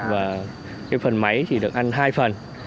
và phần máy chỉ được ăn hai phần